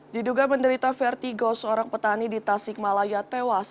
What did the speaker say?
diduga menderita vertigo seorang petani di tasik malaya tewas